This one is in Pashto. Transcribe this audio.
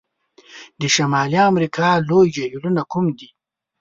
د شمالي امریکا لوی جهیلونو کوم دي؟